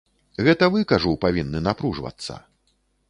Гэта вы, кажу, павінны напружвацца.